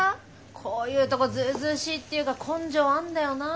こういうとこずうずうしいっていうか根性あんだよな。